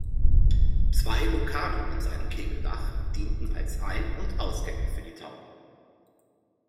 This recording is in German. Zwei Lukarnen in seinem Kegeldach dienten als Ein- und Ausgänge für die Tauben.